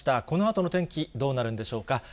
このあとの天気、どうなるんでしょうか。